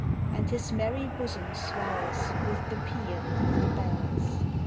And his merry bosom swells With the paean of the bells!